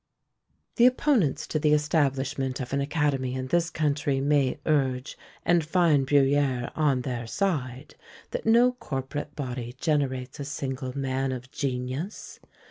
The opponents to the establishment of an academy in this country may urge, and find BruyÃẀre on their side, that no corporate body generates a single man of genius.